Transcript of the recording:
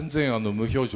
無表情？